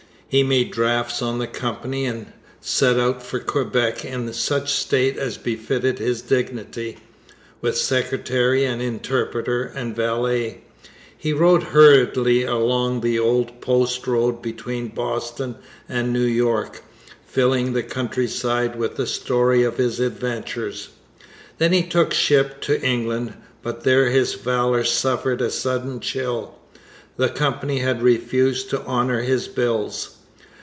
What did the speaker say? He made drafts on the Company and set out from Quebec in such state as befitted his dignity, with secretary and interpreter and valet. He rode hurriedly along the old post road between Boston and New York, filling the countryside with the story of his adventures. Then he took ship to England; but there his valour suffered a sudden chill. The Company had refused to honour his bills.